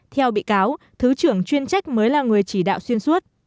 theo bị cáo thứ trưởng chuyên trách mới là người chỉ đạo xuyên suốt